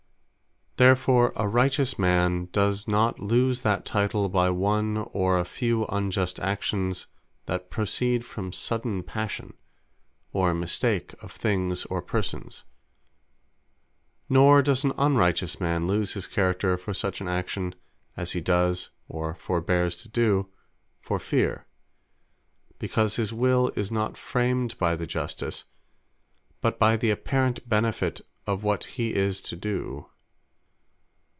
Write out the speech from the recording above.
Therefore a Righteous man, does not lose that Title, by one, or a few unjust Actions, that proceed from sudden Passion, or mistake of Things, or Persons: nor does an Unrighteous man, lose his character, for such Actions, as he does, of forbeares to do, for feare: because his Will is not framed by the Justice, but by the apparant benefit of what he is to do.